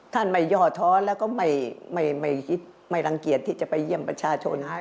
ท่านไม่ย่อท้อนแล้วก็ไม่รังเกียจที่จะไปเยี่ยมประชาชนให้